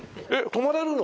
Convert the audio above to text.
泊まれるの？